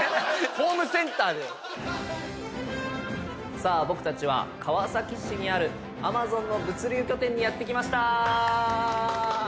さあ僕たちは川崎市にあるＡｍａｚｏｎの物流拠点にやって来ました！